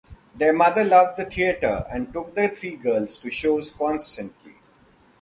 Their mother loved the theatre and took the three girls to shows constantly.